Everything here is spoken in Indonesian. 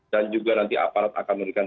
dan juga nanti aparat akan memberikan